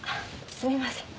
すみません。